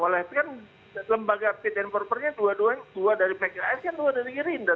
oleh kan lembaga fit and propernya dua duanya dua dari pks kan dua dari gerindra